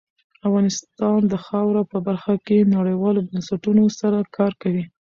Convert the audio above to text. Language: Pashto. افغانستان د خاوره په برخه کې نړیوالو بنسټونو سره کار کوي.